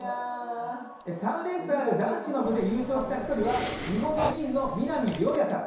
３レースある男子の部で優勝した１人は日本人の南諒弥さん。